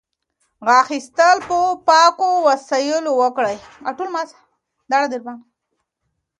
غاښ ایستل په پاکو وسایلو وکړئ.